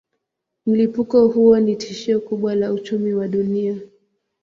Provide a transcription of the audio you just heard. Mlipuko huo ni tishio kubwa kwa uchumi wa dunia.